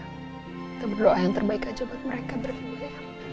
kita berdoa yang terbaik aja buat mereka berdua ya